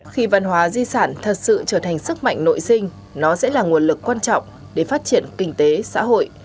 khi văn hóa di sản thật sự trở thành sức mạnh nội sinh nó sẽ là nguồn lực quan trọng để phát triển kinh tế xã hội